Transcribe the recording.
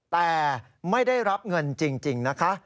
แต่ไม่ได้รับเงินจริงนะคะ